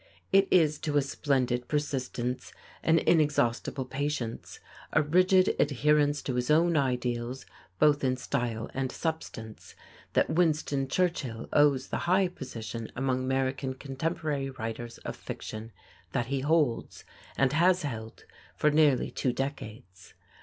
It is to a splendid persistence, an inexhaustible patience, a rigid adherence to his own ideals both in style and substance, that Winston Churchill owes the high position among American contemporary writers of fiction that he holds and has held for nearly two decades.